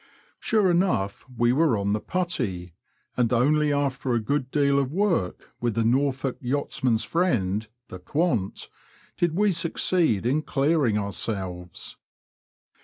Sure enough, we were on the putty, and only after a good deal of work with the Norfolk yachtsman's friend, the quanta did we succeed in clearing ourselves.